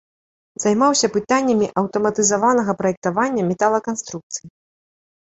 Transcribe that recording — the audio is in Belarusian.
Займаўся пытаннямі аўтаматызаванага праектавання металаканструкцый.